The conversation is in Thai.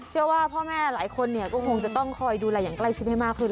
เชื่อว่าพ่อแม่หลายคนเนี่ยก็คงจะต้องคอยดูแลอย่างใกล้ชิดให้มากขึ้น